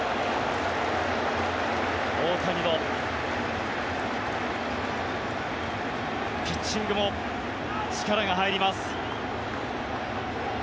大谷のピッチングも力が入ります。